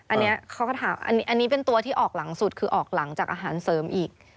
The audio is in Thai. อันนี้เขาก็ถามอันนี้เป็นตัวที่ออกหลังสุดคือออกหลังจากอาหารเสริมอีก